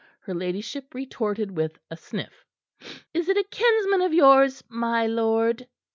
Her ladyship retorted with a sniff. "Is it a kinsman of yours, my lord?"